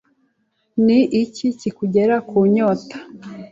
Ni iki kikugera ku nyota